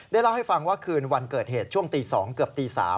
เล่าให้ฟังว่าคืนวันเกิดเหตุช่วงตี๒เกือบตี๓